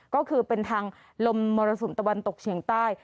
ก็คือเป็นทางลมมรสุมตะวันตกเฉียงใต้